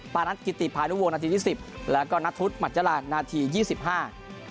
ป้านัทกิตติบภายลูกวงนัดทีสิบแล้วก็นัดทุศหมัดจาระนาทียี่สิบห้า